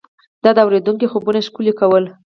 دا د اورېدونکو خوبونه ښکلي کول.